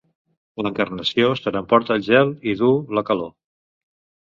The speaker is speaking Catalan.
L'Encarnació se n'emporta el gel i duu la calor.